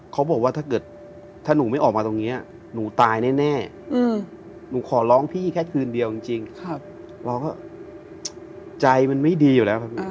ใจมันไม่ดีอยู่แล้ว